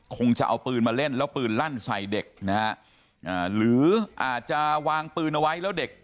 คงจะเอาปืนมาเล่นแล้วปืนลั่นใส่เด็กนะฮะอ่าหรืออาจจะวางปืนเอาไว้แล้วเด็ก